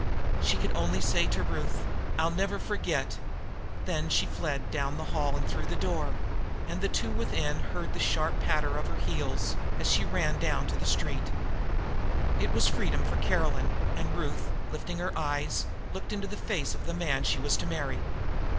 She could only say to Ruth: "I'll never forget." Then she fled down the hall and through the door, and the two within heard the sharp patter of her heels, as she ran down to the street. It was freedom for Caroline, and Ruth, lifting her eyes, looked into the face of the man she was to marry.